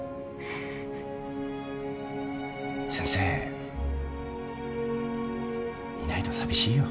先生いないと寂しいよ。